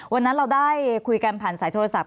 วันนั้นเราได้คุยกันผ่านสายโทรศัพท์